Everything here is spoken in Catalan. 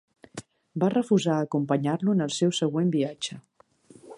Va refusar acompanyar-lo en el seu següent viatge.